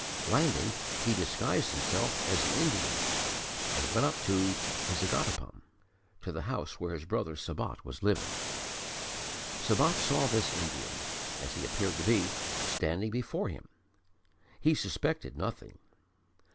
Landing, he disguised himself as an Indian and went up to Vizagapatam to the house where his brother Sabat was living. Sabat saw this Indian, as he appeared to be, standing before him. He suspected nothing.